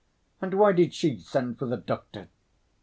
And why did she send for the doctor?"